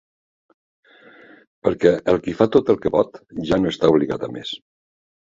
Perquè el qui fa tot el que pot, ja no està obligat a més.